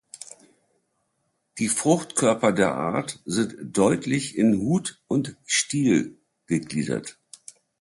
Die Fruchtkörper der Art sind deutlich in Hut und Stiel gegliedert.